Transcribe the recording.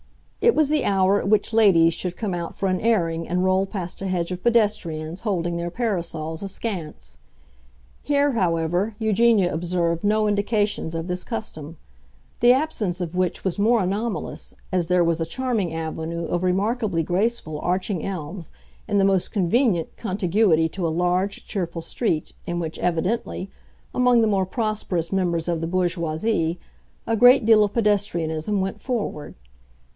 It was the hour at which ladies should come out for an airing and roll past a hedge of pedestrians, holding their parasols askance. Here, however, Eugenia observed no indications of this custom, the absence of which was more anomalous as there was a charming avenue of remarkably graceful, arching elms in the most convenient contiguity to a large, cheerful street, in which, evidently, among the more prosperous members of the bourgeoisie, a great deal of pedestrianism went forward.